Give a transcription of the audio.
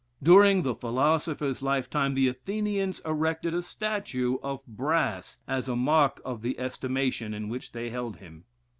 During the philosopher's lifetime, the Athenians erected a statue of brass as a mark of the estimation in which they held him.